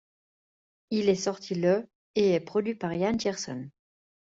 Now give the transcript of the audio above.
Il est sorti le et est produit par Yann Tiersen.